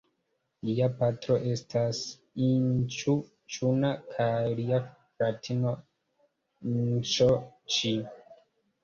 Lia patro estas Inĉu-ĉuna kaj lia fratino Nŝo-ĉi.